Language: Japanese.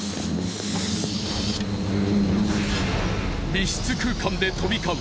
密室空間で飛び交う